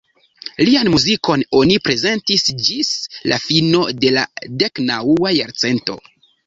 Lian muzikon oni prezentis ĝis la fino de la deknaŭa jarcento.